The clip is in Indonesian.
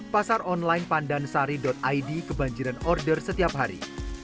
pasar online pandansari id kebanjiran order setiap hari